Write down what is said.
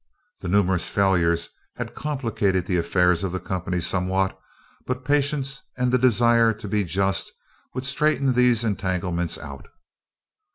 The numerous failures had complicated the affairs of the company somewhat, but patience and the desire to be just would straighten these entanglements out.